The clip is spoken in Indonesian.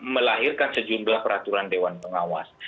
melahirkan sejumlah peraturan dewan pengawas